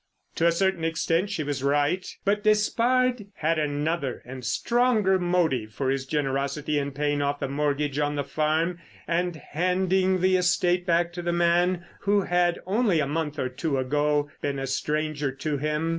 To a certain extent she was right. But Despard had another and stronger motive for his generosity in paying off the mortgage on the farm and handing the estate back to the man who had, only a month or two ago, been a stranger to him.